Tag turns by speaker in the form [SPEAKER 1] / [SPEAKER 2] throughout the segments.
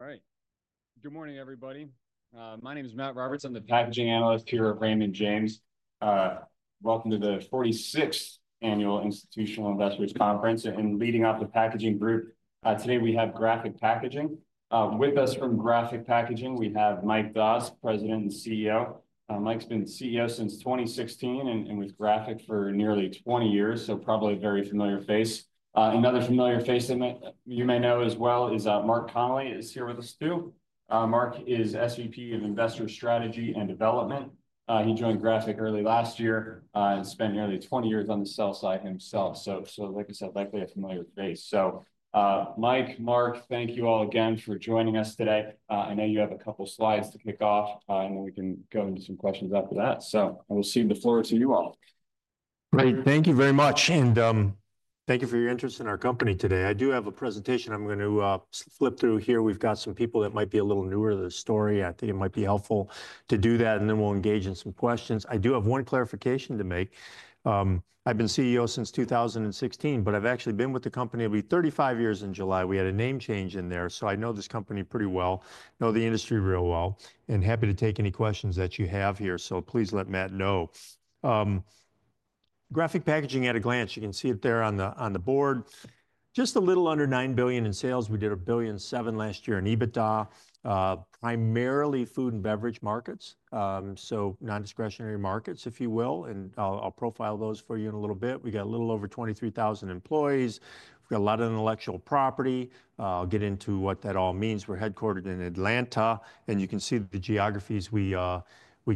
[SPEAKER 1] All right. Good morning, everybody. My name is Matt Roberts. I'm the Packaging Analyst here at Raymond James. Welcome to the 46th Annual Institutional Investors Conference and leading off the packaging group. Today we have Graphic Packaging. With us from Graphic Packaging, we have Mike Doss, President and CEO. Mike's been CEO since 2016 and with Graphic for nearly 20 years, so probably a very familiar face. Another familiar face you may know as well is Mark Connelly, who is here with us too. Mark is SVP of Investor Strategy and Development. He joined Graphic early last year and spent nearly 20 years on the sell side himself. So, like I said, likely a familiar face. So, Mike, Mark, thank you all again for joining us today. I know you have a couple of slides to kick off, and then we can go into some questions after that. So we'll cede the floor to you all.
[SPEAKER 2] Great. Thank you very much. And thank you for your interest in our company today. I do have a presentation I'm going to flip through here. We've got some people that might be a little newer to the story. I think it might be helpful to do that, and then we'll engage in some questions. I do have one clarification to make. I've been CEO since 2016, but I've actually been with the company 35 years in July. We had a name change in there, so I know this company pretty well, know the industry real well, and happy to take any questions that you have here. So please let Matt know. Graphic Packaging at a glance, you can see it there on the board. Just a little under $9 billion in sales. We did $1.7 billion last year in EBITDA, primarily food and beverage markets, so non-discretionary markets, if you will, and I'll profile those for you in a little bit. We got a little over 23,000 employees. We've got a lot of intellectual property. I'll get into what that all means. We're headquartered in Atlanta, and you can see the geographies we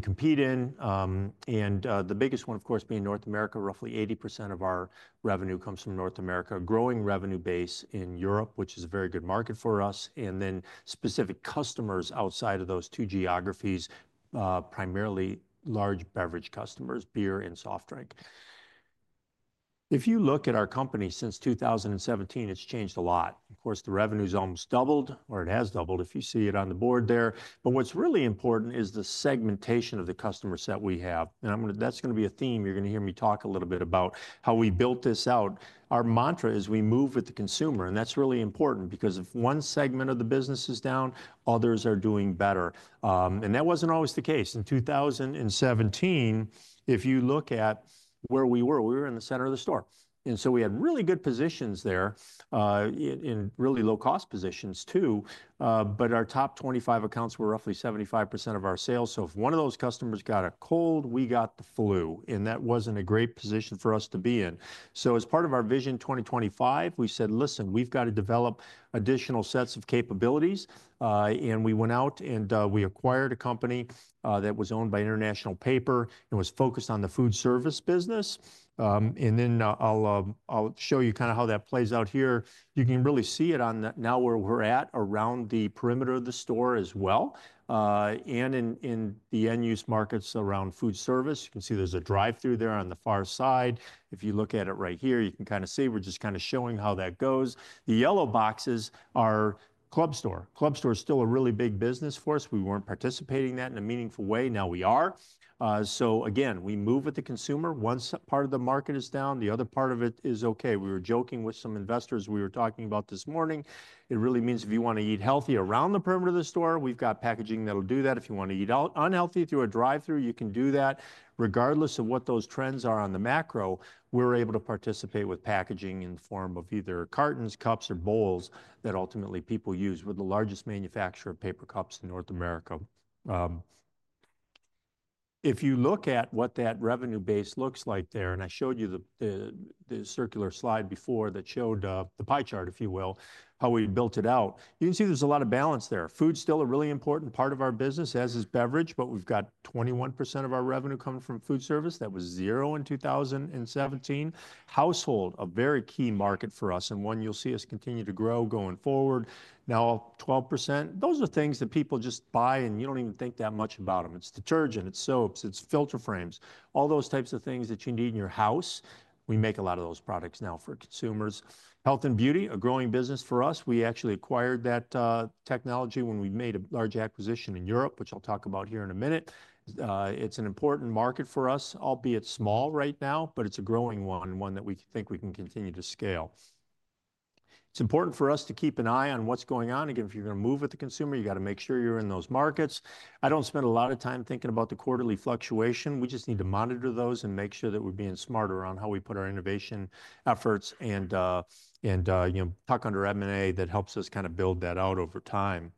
[SPEAKER 2] compete in, and the biggest one, of course, being North America. Roughly 80% of our revenue comes from North America, a growing revenue base in Europe, which is a very good market for us, and then specific customers outside of those two geographies, primarily large beverage customers, beer and soft drink. If you look at our company since 2017, it's changed a lot. Of course, the revenue's almost doubled, or it has doubled if you see it on the board there. What's really important is the segmentation of the customer set we have. That's going to be a theme you're going to hear me talk a little bit about how we built this out. Our mantra is we move with the consumer. That's really important because if one segment of the business is down, others are doing better. That wasn't always the case. In 2017, if you look at where we were, we were in the center of the store. We had really good positions there in really low-cost positions too. Our top 25 accounts were roughly 75% of our sales. If one of those customers got a cold, we got the flu. That wasn't a great position for us to be in. As part of our Vision 2025, we said, "Listen, we've got to develop additional sets of capabilities." And we went out and we acquired a company that was owned by International Paper and was focused on the food service business. And then I'll show you kind of how that plays out here. You can really see it on now where we're at around the perimeter of the store as well. And in the end-use markets around food service, you can see there's a drive-thru there on the far side. If you look at it right here, you can kind of see we're just kind of showing how that goes. The yellow boxes are club store. Club store is still a really big business for us. We weren't participating in that in a meaningful way. Now we are. So again, we move with the consumer. One part of the market is down. The other part of it is okay. We were joking with some investors we were talking about this morning. It really means if you want to eat healthy around the perimeter of the store, we've got packaging that'll do that. If you want to eat unhealthy through a drive-thru, you can do that. Regardless of what those trends are on the macro, we're able to participate with packaging in the form of either cartons, cups, or bowls that ultimately people use with the largest manufacturer of paper cups in North America. If you look at what that revenue base looks like there, and I showed you the circular slide before that showed the pie chart, if you will, how we built it out, you can see there's a lot of balance there. Food's still a really important part of our business, as is beverage, but we've got 21% of our revenue coming from food service. That was zero in 2017. Household, a very key market for us and one you'll see us continue to grow going forward. Now, 12%, those are things that people just buy and you don't even think that much about them. It's detergent, it's soaps, it's filter frames, all those types of things that you need in your house. We make a lot of those products now for consumers. Health and beauty, a growing business for us. We actually acquired that technology when we made a large acquisition in Europe, which I'll talk about here in a minute. It's an important market for us, albeit small right now, but it's a growing one, one that we think we can continue to scale. It's important for us to keep an eye on what's going on. Again, if you're going to move with the consumer, you got to make sure you're in those markets. I don't spend a lot of time thinking about the quarterly fluctuation. We just need to monitor those and make sure that we're being smarter on how we put our innovation efforts and tuck-under M&A that helps us kind of build that out over time.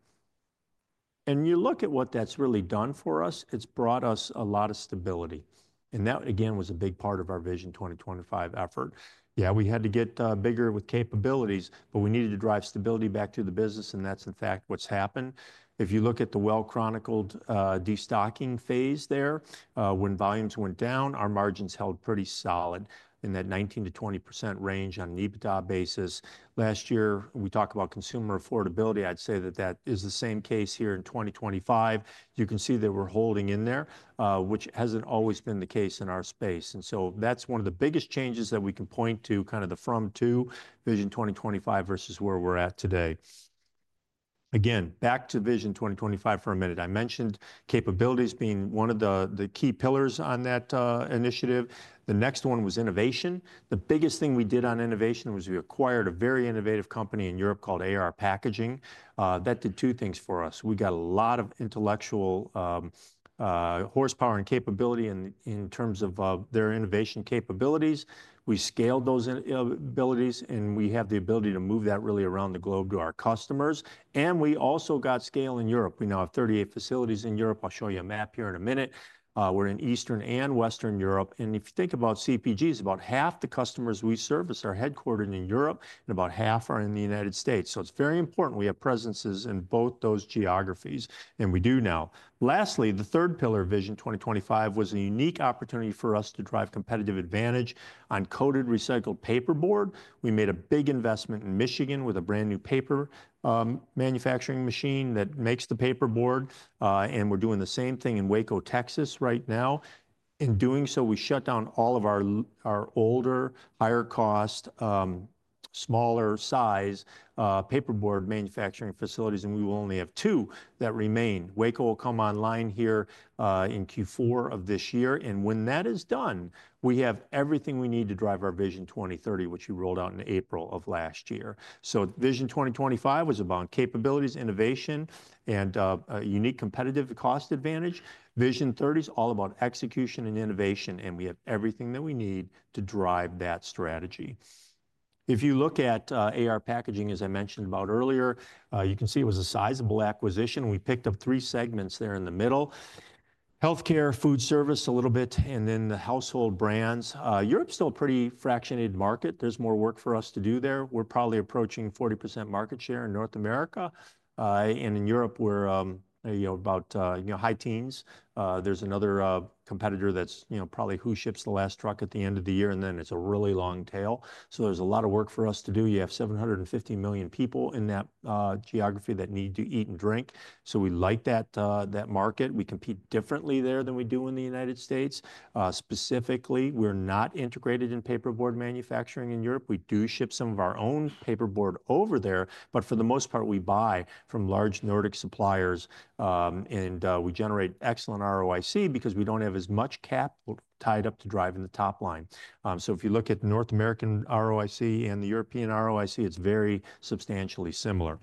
[SPEAKER 2] And you look at what that's really done for us, it's brought us a lot of stability. And that, again, was a big part of our Vision 2025 effort. Yeah, we had to get bigger with capabilities, but we needed to drive stability back to the business, and that's in fact what's happened. If you look at the well-chronicled destocking phase there, when volumes went down, our margins held pretty solid in that 19%-20% range on an EBITDA basis. Last year, we talked about consumer affordability. I'd say that that is the same case here in 2025. You can see that we're holding in there, which hasn't always been the case in our space. And so that's one of the biggest changes that we can point to, kind of the from to Vision 2025 versus where we're at today. Again, back to Vision 2025 for a minute. I mentioned capabilities being one of the key pillars on that initiative. The next one was innovation. The biggest thing we did on innovation was we acquired a very innovative company in Europe called AR Packaging. That did two things for us. We got a lot of intellectual horsepower and capability in terms of their innovation capabilities. We scaled those abilities, and we have the ability to move that really around the globe to our customers, and we also got scale in Europe. We now have 38 facilities in Europe. I'll show you a map here in a minute. We're in Eastern and Western Europe. And if you think about CPGs, about half the customers we service are headquartered in Europe, and about half are in the United States, so it's very important. We have presences in both those geographies, and we do now. Lastly, the third pillar Vision 2025 was a unique opportunity for us to drive competitive advantage on coated recycled paperboard. We made a big investment in Michigan with a brand new paper manufacturing machine that makes the paperboard. We're doing the same thing in Waco, Texas right now. In doing so, we shut down all of our older, higher-cost, smaller-size paperboard manufacturing facilities, and we will only have two that remain. Waco will come online here in Q4 of this year. When that is done, we have everything we need to drive our Vision 2030, which we rolled out in April of last year. Vision 2025 was about capabilities, innovation, and unique competitive cost advantage. Vision 2030 is all about execution and innovation, and we have everything that we need to drive that strategy. If you look at AR Packaging, as I mentioned about earlier, you can see it was a sizable acquisition. We picked up three segments there in the middle: healthcare, food service a little bit, and then the household brands. Europe's still a pretty fractionated market. There's more work for us to do there. We're probably approaching 40% market share in North America, and in Europe, we're about high teens. There's another competitor that's probably who ships the last truck at the end of the year, and then it's a really long tail, so there's a lot of work for us to do. You have 750 million people in that geography that need to eat and drink, so we like that market. We compete differently there than we do in the United States. Specifically, we're not integrated in paperboard manufacturing in Europe. We do ship some of our own paperboard over there, but for the most part, we buy from large Nordic suppliers, and we generate excellent ROIC because we don't have as much capital tied up to drive in the top line. So if you look at North American ROIC and the European ROIC, it's very substantially similar.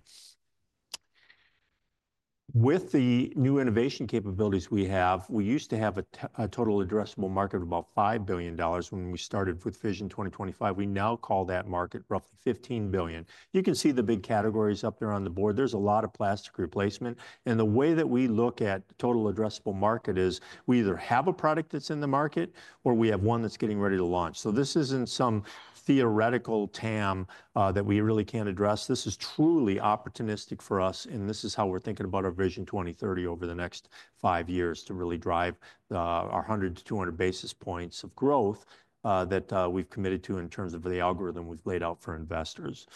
[SPEAKER 2] With the new innovation capabilities we have, we used to have a total addressable market of about $5 billion when we started with Vision 2025. We now call that market roughly $15 billion. You can see the big categories up there on the board. There's a lot of plastic replacement. And the way that we look at total addressable market is we either have a product that's in the market or we have one that's getting ready to launch. So this isn't some theoretical TAM that we really can't address. This is truly opportunistic for us, and this is how we're thinking about our Vision 2030 over the next five years to really drive our 100 to 200 basis points of growth that we've committed to in terms of the algorithm we've laid out for investors.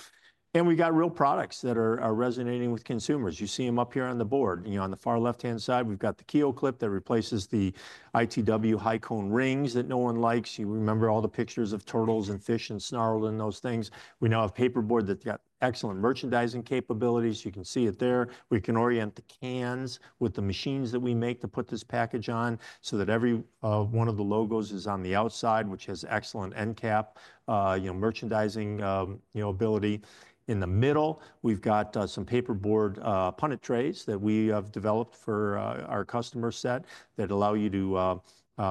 [SPEAKER 2] And we got real products that are resonating with consumers. You see them up here on the board. On the far left-hand side, we've got the KeelClip that replaces the ITW Hi-Cone rings that no one likes. You remember all the pictures of turtles and fish and snarl and those things. We now have paperboard that's got excellent merchandising capabilities. You can see it there. We can orient the cans with the machines that we make to put this package on so that every one of the logos is on the outside, which has excellent end cap merchandising ability. In the middle, we've got some paperboard punnet trays that we have developed for our customer set that allow you to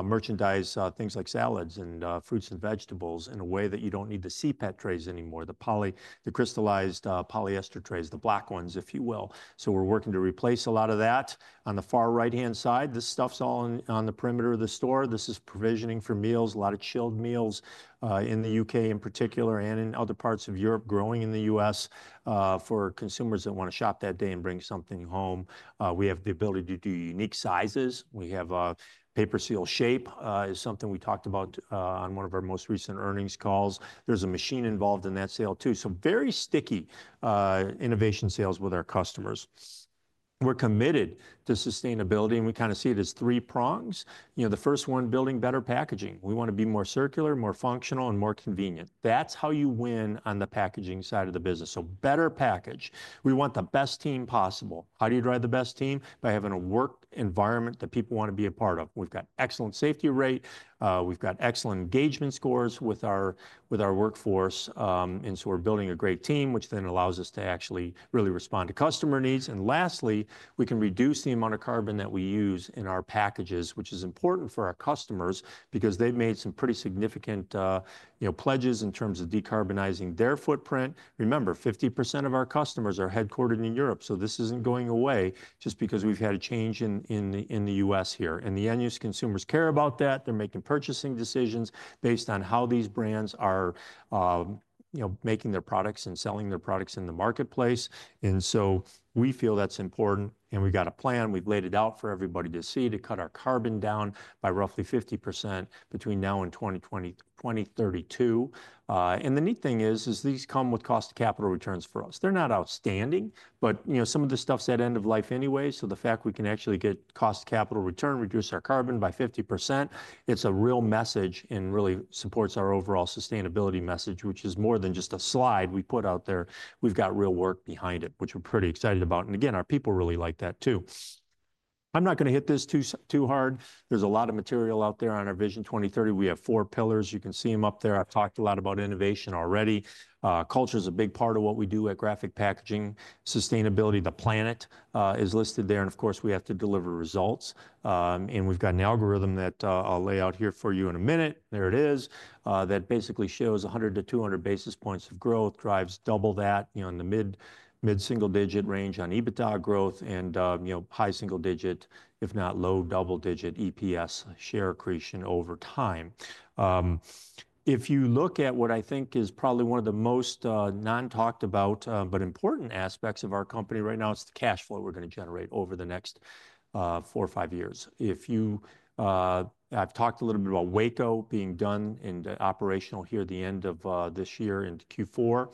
[SPEAKER 2] merchandise things like salads and fruits and vegetables in a way that you don't need the CPET trays anymore, the crystallized polyester trays, the black ones, if you will. So we're working to replace a lot of that. On the far right-hand side, this stuff's all on the perimeter of the store. This is provisioning for meals, a lot of chilled meals in the U.K. in particular and in other parts of Europe growing in the U.S. for consumers that want to shop that day and bring something home. We have the ability to do unique sizes. We have PaperSeal Shape is something we talked about on one of our most recent earnings calls. There's a machine involved in that sale too. So, very sticky innovation sales with our customers. We're committed to sustainability, and we kind of see it as three prongs. The first one, building better packaging. We want to be more circular, more functional, and more convenient. That's how you win on the packaging side of the business. So better package. We want the best team possible. How do you drive the best team? By having a work environment that people want to be a part of. We've got excellent safety rate. We've got excellent engagement scores with our workforce. And so we're building a great team, which then allows us to actually really respond to customer needs. And lastly, we can reduce the amount of carbon that we use in our packages, which is important for our customers because they've made some pretty significant pledges in terms of decarbonizing their footprint. Remember, 50% of our customers are headquartered in Europe. So this isn't going away just because we've had a change in the U.S. here, and the end-use consumers care about that. They're making purchasing decisions based on how these brands are making their products and selling their products in the marketplace, and so we feel that's important, and we've got a plan. We've laid it out for everybody to see to cut our carbon down by roughly 50% between now and 2032, and the neat thing is these come with cost of capital returns for us. They're not outstanding, but some of the stuff's at end of life anyway, so the fact we can actually get cost of capital return, reduce our carbon by 50%, it's a real message and really supports our overall sustainability message, which is more than just a slide we put out there. We've got real work behind it, which we're pretty excited about. And again, our people really like that too. I'm not going to hit this too hard. There's a lot of material out there on our Vision 2030. We have four pillars. You can see them up there. I've talked a lot about innovation already. Culture is a big part of what we do at Graphic Packaging. Sustainability, the planet is listed there. And of course, we have to deliver results. And we've got an algorithm that I'll lay out here for you in a minute. There it is. That basically shows 100 to 200 basis points of growth, drives double that in the mid-single-digit range on EBITDA growth and high single-digit, if not low double-digit EPS share accretion over time. If you look at what I think is probably one of the most non-talked about but important aspects of our company right now, it's the cash flow we're going to generate over the next four or five years. I've talked a little bit about Waco being done and operational here at the end of this year in Q4.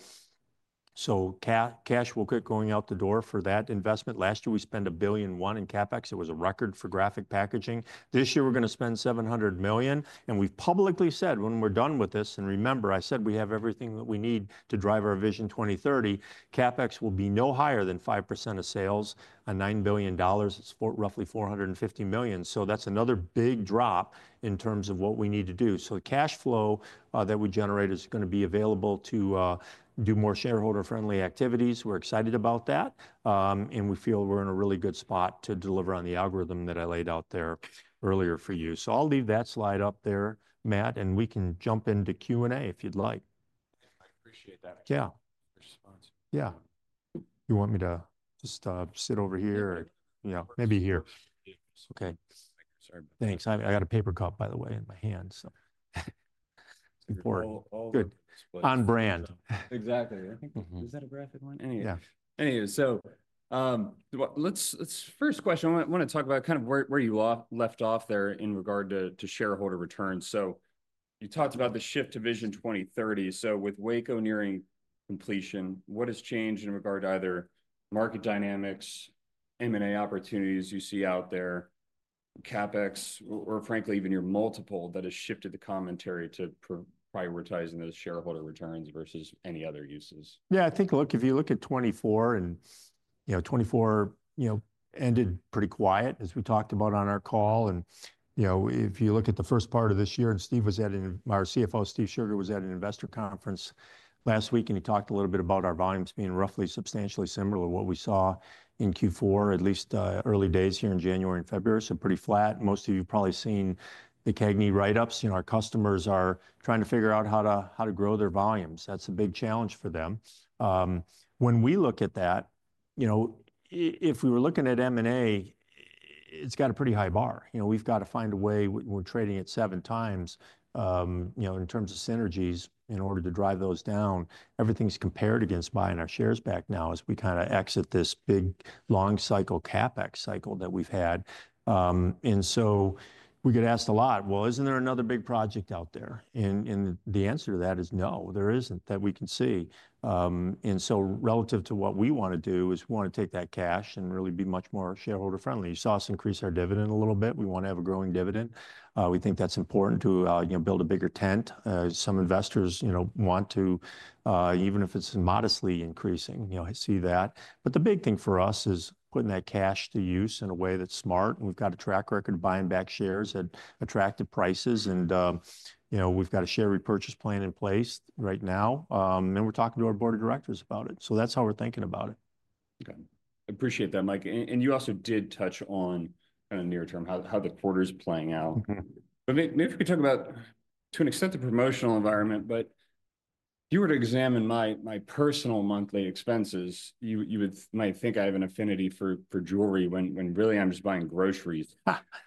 [SPEAKER 2] So cash will get going out the door for that investment. Last year, we spent $1.1 billion in CapEx. It was a record for Graphic Packaging. This year, we're going to spend $700 million. And we've publicly said when we're done with this, and remember, I said we have everything that we need to drive our Vision 2030, CapEx will be no higher than 5% of sales, $9 billion. It's roughly $450 million. So that's another big drop in terms of what we need to do. So the cash flow that we generate is going to be available to do more shareholder-friendly activities. We're excited about that. And we feel we're in a really good spot to deliver on the algorithm that I laid out there earlier for you. So I'll leave that slide up there, Matt, and we can jump into Q&A if you'd like. I appreciate that. Yeah. Yeah. You want me to just sit over here or maybe here? Okay. Thanks. I got a paper cup, by the way, in my hand. It's important. Good. On brand.
[SPEAKER 1] Exactly. I think, was that a Graphic one?
[SPEAKER 2] Yeah
[SPEAKER 1] Anyway, so first question, I want to talk about kind of where you left off there in regard to shareholder returns. So you talked about the shift to Vision 2030. So with Waco nearing completion, what has changed in regard to either market dynamics, M&A opportunities you see out there, CapEx, or frankly, even your multiple that has shifted the commentary to prioritizing those shareholder returns versus any other uses?
[SPEAKER 2] Yeah, I think, look, if you look at 2024 and 2024 ended pretty quiet, as we talked about on our call. And if you look at the first part of this year, and Steve was at an, our CFO, Steve Scherger, was at an investor conference last week, and he talked a little bit about our volumes being roughly substantially similar to what we saw in Q4, at least early days here in January and February, so pretty flat. Most of you probably seen the CAGNY write-ups. Our customers are trying to figure out how to grow their volumes. That's a big challenge for them. When we look at that, if we were looking at M&A, it's got a pretty high bar. We've got to find a way. We're trading at seven times in terms of synergies in order to drive those down. Everything's compared against buying our shares back now as we kind of exit this big long-cycle CapEx cycle that we've had. And so we get asked a lot, well, isn't there another big project out there? And the answer to that is no, there isn't that we can see. And so relative to what we want to do is we want to take that cash and really be much more shareholder-friendly. You saw us increase our dividend a little bit. We want to have a growing dividend. We think that's important to build a bigger tent. Some investors want to, even if it's modestly increasing, see that. But the big thing for us is putting that cash to use in a way that's smart, and we've got a track record of buying back shares at attractive prices, and we've got a share repurchase plan in place right now, and we're talking to our board of directors about it, so that's how we're thinking about it.
[SPEAKER 1] Okay, I appreciate that, Mike, and you also did touch on kind of near-term how the quarter's playing out, but maybe we could talk about, to an extent, the promotional environment, but if you were to examine my personal monthly expenses, you might think I have an affinity for jewelry when really I'm just buying groceries,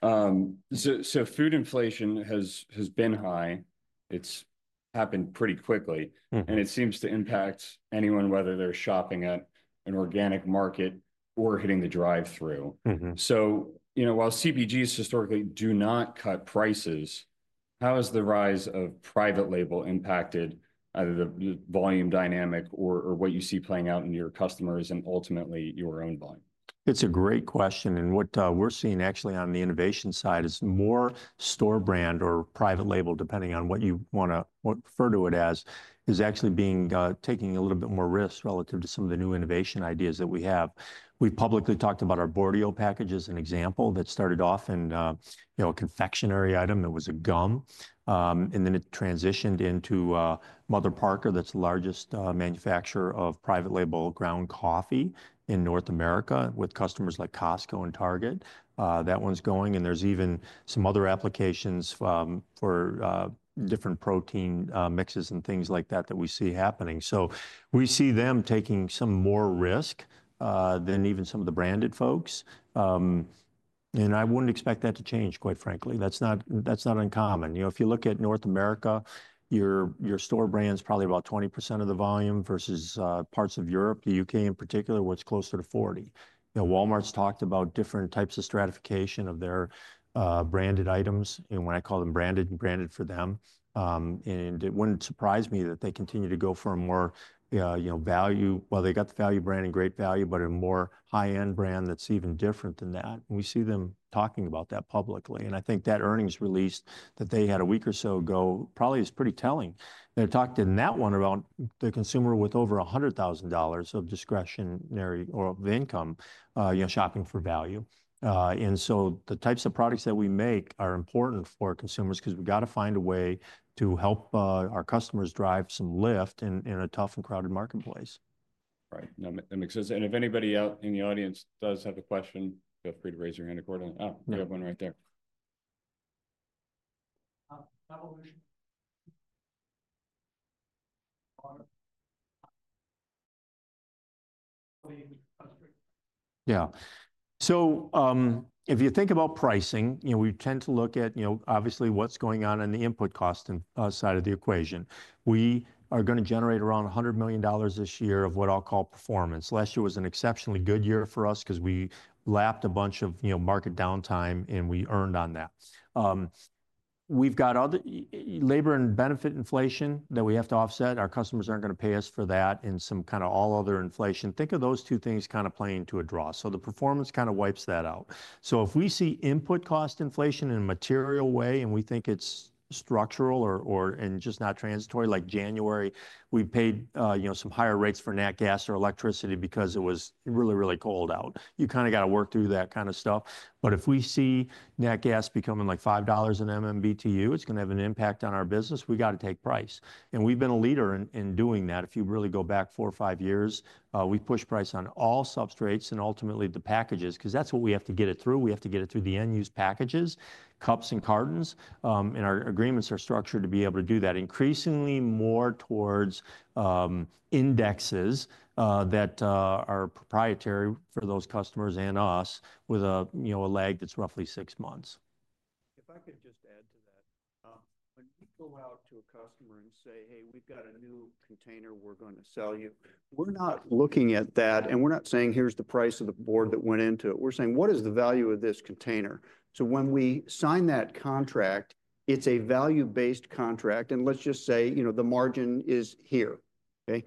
[SPEAKER 1] so food inflation has been high. It's happened pretty quickly, and it seems to impact anyone, whether they're shopping at an organic market or hitting the drive-through. So while CPGs historically do not cut prices, how has the rise of private label impacted either the volume dynamic or what you see playing out in your customers and ultimately your own volume?
[SPEAKER 2] It's a great question. And what we're seeing actually on the innovation side is more store brand or private label, depending on what you want to refer to it as, is actually taking a little bit more risks relative to some of the new innovation ideas that we have. We've publicly talked about our Boardio package as an example that started off in a confectionery item that was a gum. And then it transitioned into Mother Parkers, that's the largest manufacturer of private label ground coffee in North America with customers like Costco and Target. That one's going. And there's even some other applications for different protein mixes and things like that that we see happening. We see them taking some more risk than even some of the branded folks. And I wouldn't expect that to change, quite frankly. That's not uncommon. If you look at North America, your store brand's probably about 20% of the volume versus parts of Europe, the U.K. in particular, where it's closer to 40%. Walmart's talked about different types of stratification of their branded items. And when I call them branded, branded for them. And it wouldn't surprise me that they continue to go for a more value, well, they got the value brand and Great Value, but a more high-end brand that's even different than that. And we see them talking about that publicly. And I think that earnings release that they had a week or so ago probably is pretty telling. They're talking in that one about the consumer with over $100,000 of discretionary or of income shopping for value. And so the types of products that we make are important for consumers because we've got to find a way to help our customers drive some lift in a tough and crowded marketplace.
[SPEAKER 1] Right. That makes sense. And if anybody out in the audience does have a question, feel free to raise your hand accordingly. Oh, we have one right there.
[SPEAKER 2] Yeah. So if you think about pricing, we tend to look at, obviously, what's going on on the input cost side of the equation. We are going to generate around $100 million this year of what I'll call performance. Last year was an exceptionally good year for us because we lapped a bunch of market downtime and we earned on that. We've got other labor and benefit inflation that we have to offset. Our customers aren't going to pay us for that in some kind of all-other inflation. Think of those two things kind of playing to a draw. So the performance kind of wipes that out. So if we see input cost inflation in a material way and we think it's structural and just not transitory, like January, we paid some higher rates for natural gas or electricity because it was really, really cold out. You kind of got to work through that kind of stuff. But if we see natural gas becoming like $5 an MMBTU, it's going to have an impact on our business. We got to take price. And we've been a leader in doing that. If you really go back four or five years, we've pushed price on all substrates and ultimately the packages because that's what we have to get it through. We have to get it through the end-use packages, cups, and cartons. And our agreements are structured to be able to do that increasingly more towards indexes that are proprietary for those customers and us with a lag that's roughly six months.
[SPEAKER 3] If I could just add to that, when we go out to a customer and say, "Hey, we've got a new container we're going to sell you," we're not looking at that. And we're not saying, "Here's the price of the board that went into it." We're saying, "What is the value of this container?" So when we sign that contract, it's a value-based contract. And let's just say the margin is here. Okay?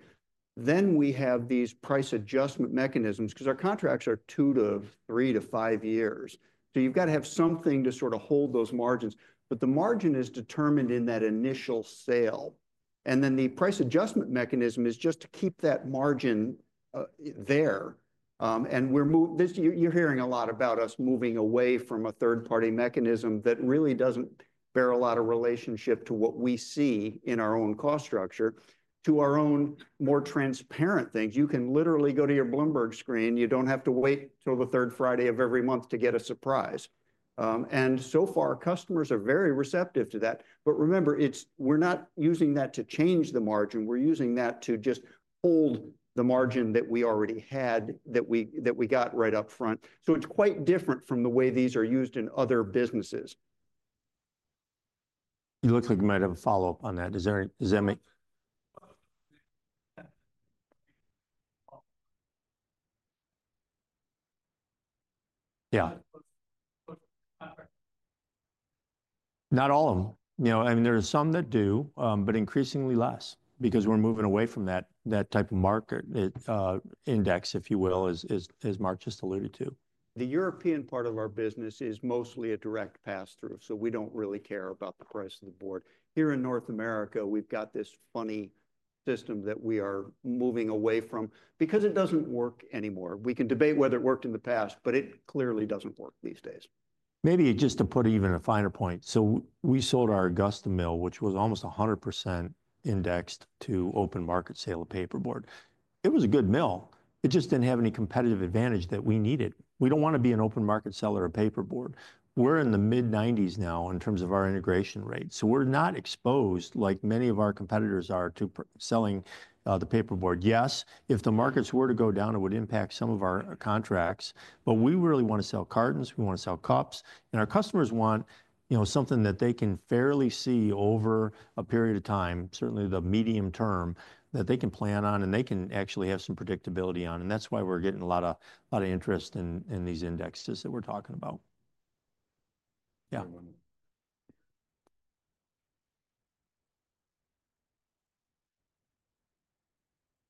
[SPEAKER 3] Then we have these price adjustment mechanisms because our contracts are two to three to five years. So you've got to have something to sort of hold those margins. But the margin is determined in that initial sale. And then the price adjustment mechanism is just to keep that margin there. And you're hearing a lot about us moving away from a third-party mechanism that really doesn't bear a lot of relationship to what we see in our own cost structure to our own more transparent things. You can literally go to your Bloomberg screen. You don't have to wait till the third Friday of every month to get a surprise. And so far, customers are very receptive to that. But remember, we're not using that to change the margin. We're using that to just hold the margin that we already had that we got right up front. So it's quite different from the way these are used in other businesses.
[SPEAKER 1] You look like you might have a follow-up on that. Is that me?
[SPEAKER 2] Yeah. Not all of them. I mean, there are some that do, but increasingly less because we're moving away from that type of market index, if you will, as Mark just alluded to.
[SPEAKER 3] The European part of our business is mostly a direct pass-through, so we don't really care about the price of the board. Here in North America, we've got this funny system that we are moving away from because it doesn't work anymore. We can debate whether it worked in the past, but it clearly doesn't work these days.
[SPEAKER 2] Maybe just to put even a finer point, so we sold our Augusta mill, which was almost 100% indexed to open market sale of paperboard. It was a good mill. It just didn't have any competitive advantage that we needed. We don't want to be an open market seller of paperboard. We're in the mid-90s now in terms of our integration rate. So we're not exposed like many of our competitors are to selling the paperboard. Yes, if the markets were to go down, it would impact some of our contracts. But we really want to sell cartons. We want to sell cups. And our customers want something that they can fairly see over a period of time, certainly the medium term, that they can plan on and they can actually have some predictability on. And that's why we're getting a lot of interest in these indexes that we're talking about. Yeah.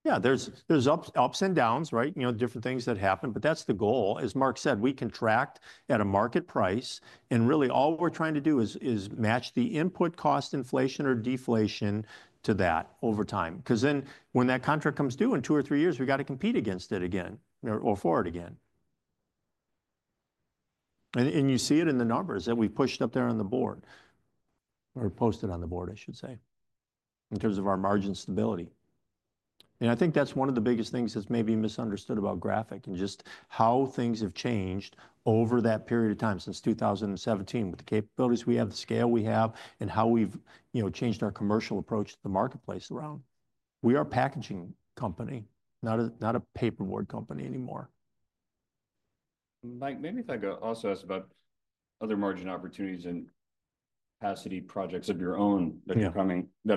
[SPEAKER 2] Yeah, there's ups and downs, right? Different things that happen. But that's the goal. As Mark said, we contract at a market price. And really, all we're trying to do is match the input cost inflation or deflation to that over time. Because then when that contract comes due in two or three years, we got to compete against it again or for it again. And you see it in the numbers that we pushed up there on the board or posted on the board, I should say, in terms of our margin stability. And I think that's one of the biggest things that's maybe misunderstood about Graphic and just how things have changed over that period of time since 2017 with the capabilities we have, the scale we have, and how we've changed our commercial approach to the marketplace around. We are a packaging company, not a paperboard company anymore.
[SPEAKER 1] Mike, maybe if I could also ask about other margin opportunities and capacity projects of your own that are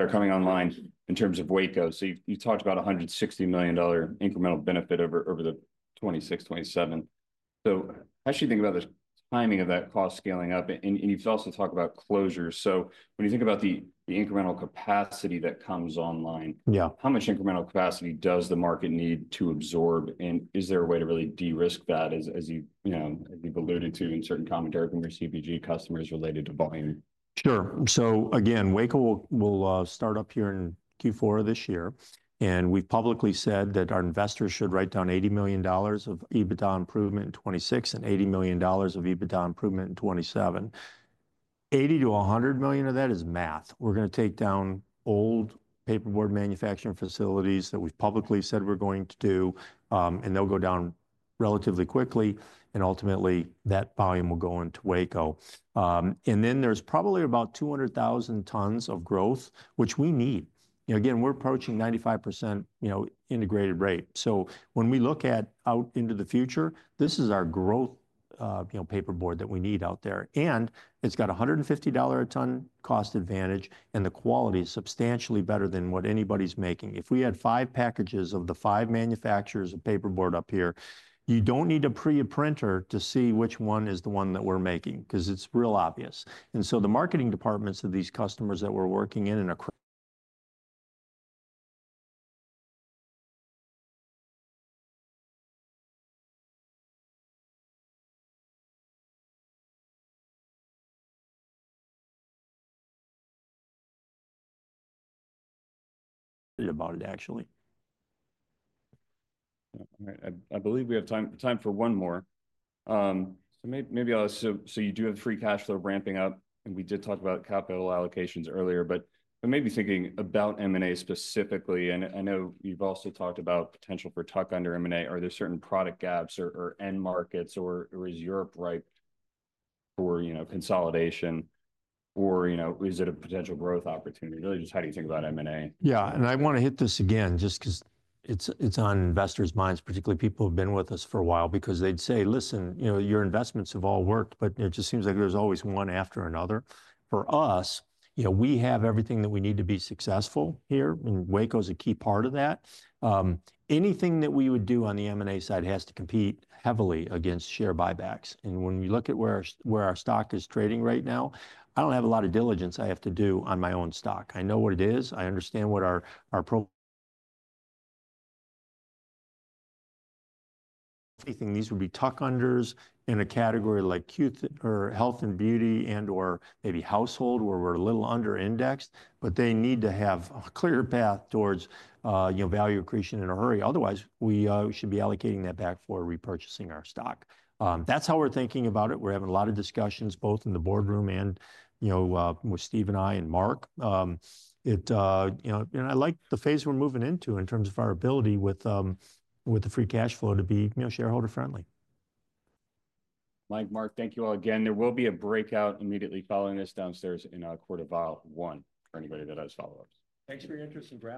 [SPEAKER 1] coming online in terms of Waco. So you talked about a $160 million incremental benefit over the 2026, 2027. So how should you think about the timing of that cost scaling up? And you've also talked about closures. So when you think about the incremental capacity that comes online, how much incremental capacity does the market need to absorb? And is there a way to really de-risk that, as you've alluded to in certain commentary from your CPG customers related to volume?
[SPEAKER 2] Sure. So again, Waco will start up here in Q4 this year. And we've publicly said that our investors should write down $80 million of EBITDA improvement in 2026 and $80 million of EBITDA improvement in 2027. $80-$100 million of that is math. We're going to take down old paperboard manufacturing facilities that we've publicly said we're going to do, and they'll go down relatively quickly, and ultimately, that volume will go into Waco. And then there's probably about 200,000 tons of growth, which we need. Again, we're approaching 95% integrated rate. So when we look out into the future, this is our growth paperboard that we need out there. And it's got a $150/ton cost advantage, and the quality is substantially better than what anybody's making. If we had five packages of the five manufacturers of paperboard up here, you don't need a pre-printer to see which one is the one that we're making because it's real obvious. And so the marketing departments of these customers that we're working in and across about it, actually.
[SPEAKER 1] I believe we have time for one more. So maybe I'll ask, so you do have the free cash flow ramping up, and we did talk about capital allocations earlier, but maybe thinking about M&A specifically. And I know you've also talked about potential for tuck-under M&A. Are there certain product gaps or end markets, or is Europe ripe for consolidation, or is it a potential growth opportunity? Really, just how do you think about M&A?
[SPEAKER 2] Yeah. And I want to hit this again just because it's on investors' minds, particularly people who've been with us for a while, because they'd say, "Listen, your investments have all worked, but it just seems like there's always one after another." For us, we have everything that we need to be successful here. And Waco is a key part of that. Anything that we would do on the M&A side has to compete heavily against share buybacks. When we look at where our stock is trading right now, I don't have a lot of diligence I have to do on my own stock. I know what it is. I understand what our pro. Anything, these would be tuck-unders in a category like health and beauty and/or maybe household where we're a little under-indexed, but they need to have a clear path towards value accretion in a hurry. Otherwise, we should be allocating that back for repurchasing our stock. That's how we're thinking about it. We're having a lot of discussions both in the boardroom and with Steve and I and Mark. I like the phase we're moving into in terms of our ability with the free cash flow to be shareholder-friendly.
[SPEAKER 1] Mike, Mark, thank you all again. There will be a breakout immediately following this downstairs in a quarter of an hour. One for anybody that has follow-ups.
[SPEAKER 2] Thanks for your interest in Graphic.